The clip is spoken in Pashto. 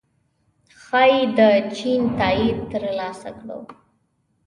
ښايي د چین تائید ترلاسه کړو